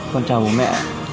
con chào bố mẹ